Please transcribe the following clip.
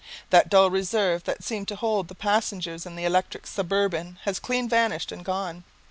That dull reserve that seemed to hold the passengers in the electric suburban has clean vanished and gone.